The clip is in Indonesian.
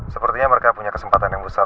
sepertinya mereka punya kesempatan yang besar